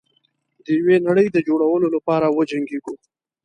د یوې نړۍ د جوړولو لپاره وجنګیږو.